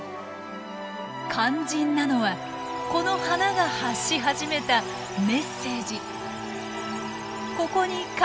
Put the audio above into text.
肝心なのはこの花が発し始めたメッセージ。